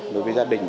đối với gia đình